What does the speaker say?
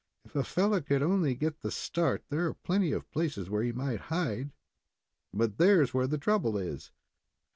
"If a fellow could only get the start, there are plenty of places where he might hide; but there's where the trouble is."